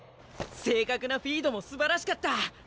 正確なフィードもすばらしかった！